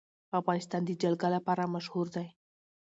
افغانستان د جلګه لپاره مشهور دی.